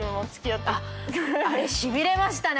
あれしびれましたね